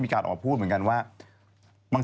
พี่ชอบแซงไหลทางอะเนาะ